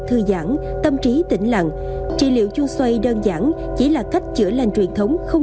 thư giãn tâm trí tỉnh lặng trị liệu chương xoay đơn giản chỉ là cách chữa lành truyền thống không